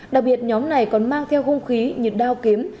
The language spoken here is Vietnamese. đặc biệt nhóm này còn mang theo hung khí như đao kiếm